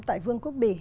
tại vương quốc bỉ